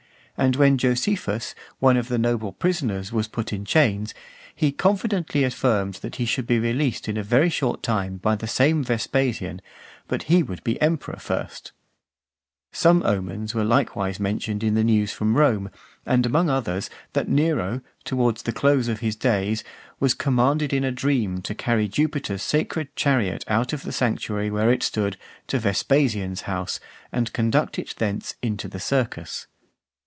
And when Josephus , one of the noble prisoners, was put in chains, he confidently affirmed that he should be released in a very short time by the same Vespasian, but he would be emperor first . Some omens were likewise mentioned in the news from Rome, and among others, that Nero, towards the close of his days, was commanded in a dream to carry Jupiter's sacred chariot out of the sanctuary where it stood, to Vespasian's house, and conduct it thence into the circus.